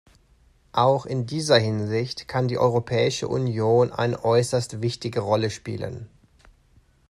Auch in dieser Hinsicht kann die Europäische Union eine äußerst wichtige Rolle spielen.